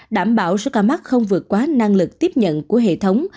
đảm bảo số ca mắc không vượt quá năng lực tiếp nhận của hệ thống